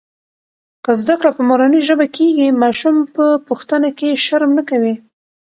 که زده کړه په مورنۍ ژبه کېږي، ماشوم په پوښتنه کې شرم نه کوي.